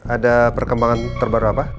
ada perkembangan terbaru apa